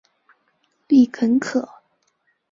丽肯可